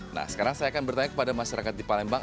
nah sekarang saya akan bertanya kepada masyarakat di palembang